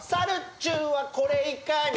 ちゅんはこれいかに？